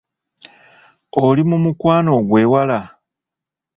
Oli mu mukwano gw'ewala?